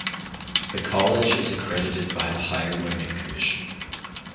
The college is accredited by the Higher Learning Commission.